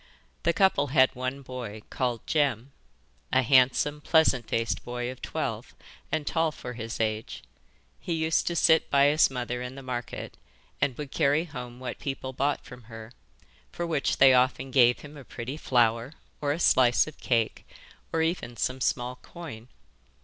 The couple had one boy called Jem. A handsome, pleasant faced boy of twelve, and tall for his age. He used to sit by his mother in the market and would carry home what people bought from her, for which they often gave him a pretty flower, or a slice of cake, or even some small coin.